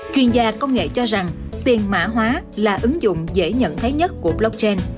chuyên gia công nghệ cho rằng tiền mã hóa là ứng dụng dễ nhận thấy nhất của blockchain